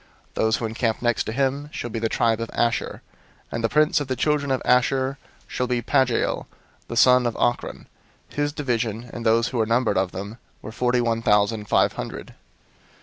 002:027 "Those who encamp next to him shall be the tribe of Asher: and the prince of the children of Asher shall be Pagiel the son of Ochran. 002:028 His division, and those who were numbered of them, were forty one thousand and five hundred.